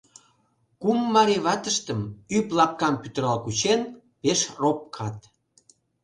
Кум марий ватыштым, ӱп лапкам пӱтырал кучен, пеш «ропкат».